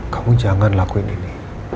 kamu jangan lakuin ini